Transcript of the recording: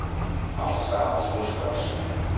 Alçar els muscles.